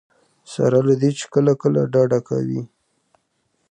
سره له دې چې کله کله ډډه کوي.